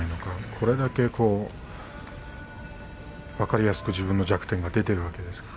これだけ分かりやすく自分の弱点が出ているわけですから。